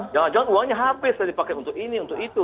jangan jangan uangnya habis dipakai untuk ini untuk itu